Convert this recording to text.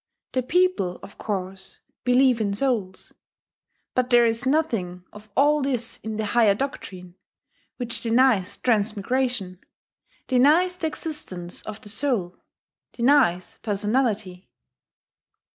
The people, of course, believe in souls. But there is nothing of all this in the higher doctrine, which denies transmigration, denies the existence of the soul, denies personality.